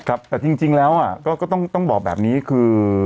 ครับแต่จริงแล้วก็ต้องบอกแบบนี้คือ